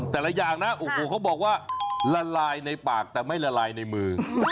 แต่ละอย่างนะโอ้โหเขาบอกว่าละลายในปากแต่ไม่ละลายในมือ